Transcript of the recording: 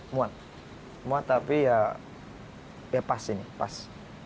muat muat tapi ya pas ini pas